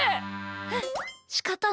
はっしかたない。